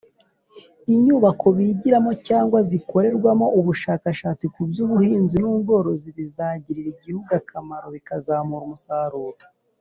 inyubako bigiramo cyangwa nizikorerwamo ubushakashatsi ku byubuhinzi n’ubworozi bizagirira igihugu akamaro bikazamura umusaruro.